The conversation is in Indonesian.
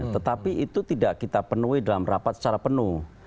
tetapi itu tidak kita penuhi dalam rapat secara penuh